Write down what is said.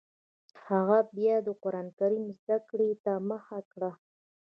هغه بیا د قران کریم زده کړې ته مخه کړه